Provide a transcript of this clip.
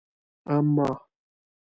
اما